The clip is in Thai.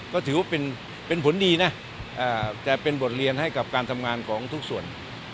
ก็ถือว่าเป็นผลดีนะแต่เป็นบทเรียนให้กับการทำงานของทุกส่วน